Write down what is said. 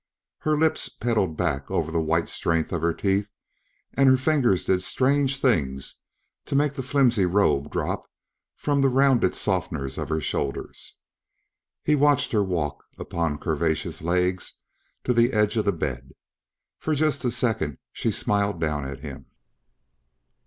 Her lips petaled back over the white strength of her teeth and her fingers did strange things to make the flimsy robe drop from the rounded softness of her shoulders. He watched her walk, upon curvaceous legs, to the edge of the bed. For just a second, she smiled down at him.